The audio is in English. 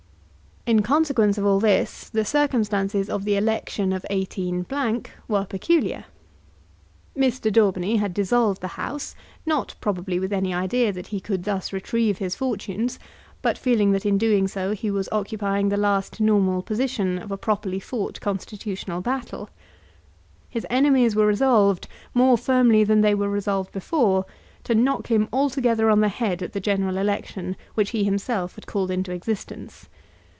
In consequence of all this the circumstances of the election of 18 were peculiar. Mr. Daubeny had dissolved the House, not probably with any idea that he could thus retrieve his fortunes, but feeling that in doing so he was occupying the last normal position of a properly fought Constitutional battle. His enemies were resolved, more firmly than they were resolved before, to knock him altogether on the head at the general election which he had himself called into existence.